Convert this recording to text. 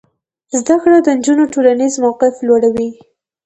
زده کړه د نجونو ټولنیز موقف لوړوي.